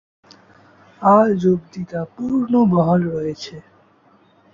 আজ অবধি তা পূর্ণ বহাল রয়েছে।